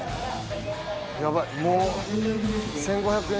やばいもう１，５００円